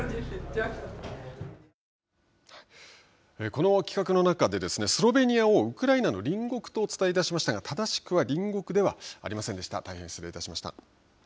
この企画の中でスロベニアをウクライナの隣国とお伝えしましたが正しくは隣国ではありませんでした。